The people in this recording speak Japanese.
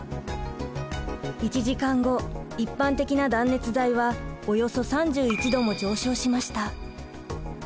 １時間後一般的な断熱材はおよそ３１℃も上昇しました。